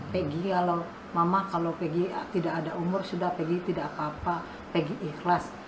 pagi kalau mama kalau pagi tidak ada umur sudah pagi tidak apa apa pagi ikhlas